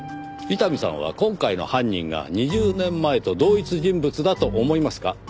伊丹さんは今回の犯人が２０年前と同一人物だと思いますか？